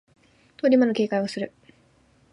通り魔の警戒をする